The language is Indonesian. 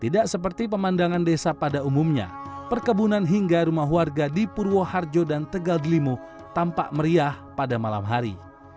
tidak seperti pemandangan desa pada umumnya perkebunan hingga rumah warga di purwo harjo dan tegal delimu tampak meriah pada malam hari